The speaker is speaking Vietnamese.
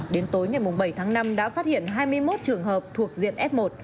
đến tối ngày bảy tháng năm đã phát hiện hai mươi một trường hợp thuộc diện f một